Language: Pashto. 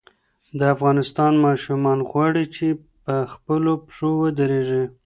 د افغانستان ماشومان غواړي چې په خپلو پښو ودرېږي.